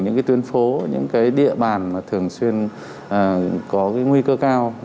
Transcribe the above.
những tuyến phố những địa bàn thường xuyên có nguy cơ cao